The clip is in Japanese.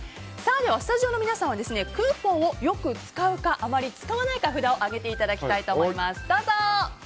スタジオの皆さんはクーポンをよく使うかあまり使わないか札を上げていただきたいと思います。